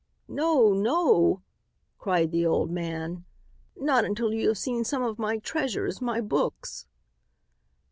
"No! No!" cried the old man. "Not until you have seen some of my treasures, my books."